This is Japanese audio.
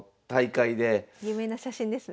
有名な写真ですね。